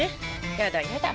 やだやだ。